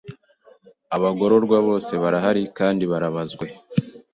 Abagororwa bose barahari kandi barabazwe.